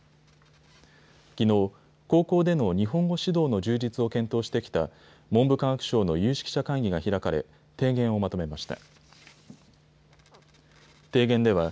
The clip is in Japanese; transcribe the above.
きのう、高校での日本語指導の充実を検討してきた文部科学省の有識者会議が開かれ提言をまとめました。